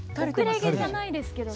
後れ毛じゃないですけど。